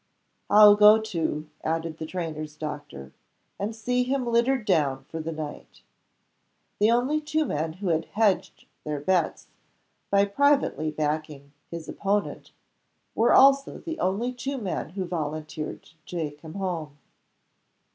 "I'll go too," added the trainer's doctor; "and see him littered down for the night." (The only two men who had "hedged" their bets, by privately backing his opponent, were also the only two men who volunteered to take him home!)